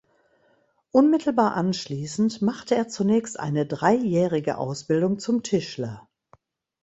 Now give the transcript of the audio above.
Unmittelbar anschließend machte er zunächst eine dreijährige Ausbildung zum Tischler.